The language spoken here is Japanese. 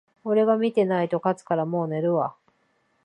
俺が見てないと勝つから、もう寝るわ